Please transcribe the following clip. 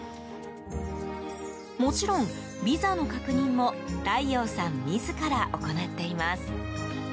もちろん、ビザの確認も太陽さん自ら行っています。